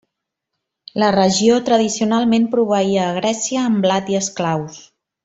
La regió tradicionalment proveïa a Grècia amb blat i esclaus.